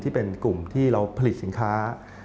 ที่เป็นกลุ่มที่เราผลิตสินค้า